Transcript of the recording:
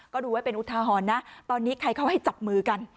ก็ดูไว้เป็นอุทาหรณ์นะตอนนี้ใครเขาให้จับมือกัน